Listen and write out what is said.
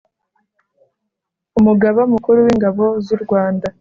Umugaba Mukuru w Ingabo z u Rwanda